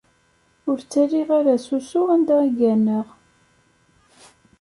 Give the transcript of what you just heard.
Ur ttaliɣ ara s usu anda i gganeɣ.